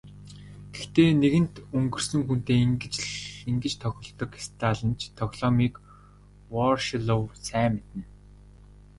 Гэхдээ нэгэнт өнгөрсөн хүнтэй ингэж тоглодог сталинч тоглоомыг Ворошилов сайн мэднэ.